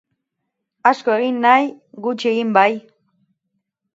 Asko egin nahi, gutxi egin bai.